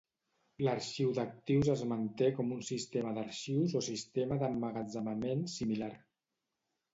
L'arxiu d'actius es manté com un sistema d'arxius o sistema d'emmagatzemament similar.